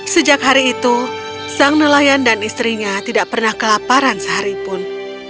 sejak hari itu sang nelayan dan istrinya tidak pernah kelaparan sehari pun